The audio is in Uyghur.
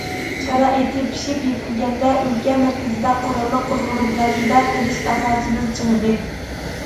شارائىتى پىشىپ يېتىلگەندە، ئۆلكە مەركىزىدە قوراللىق قوزغىلىپ غەلىبە قىلىش ئاساسىمىز چىڭىدى.